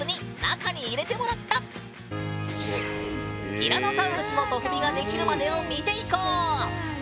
ティラノサウルスのソフビが出来るまでを見ていこう！